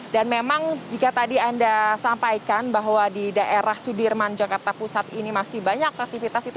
dan memang jika tadi anda sampaikan bahwa di daerah sudirman jakarta pusat ini masih banyak aktivitas itu